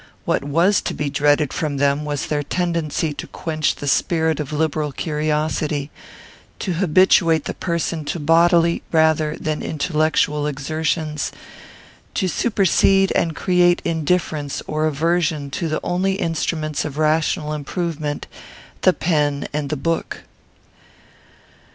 What was to be dreaded from them was their tendency to quench the spirit of liberal curiosity; to habituate the person to bodily, rather than intellectual, exertions; to supersede and create indifference or aversion to the only instruments of rational improvement, the pen and the book.